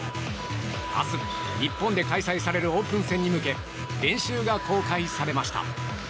明日、日本で開催されるオープン戦に向け練習が公開されました。